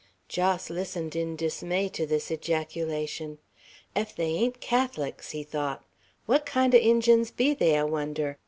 Jos listened in dismay to this ejaculation. "Ef they ain't Catholics!" he thought. "What kind o' Injuns be they I wonder.